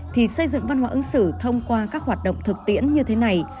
thì xây dựng văn hóa ứng xử thông qua các hoạt động thực tiễn như thế này